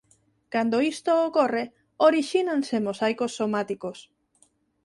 Cando isto ocorre orixínanse mosaicos somáticos.